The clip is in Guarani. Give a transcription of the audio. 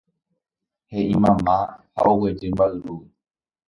He'i mama ha oguejy mba'yrúgui.